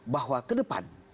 bahwa ke depan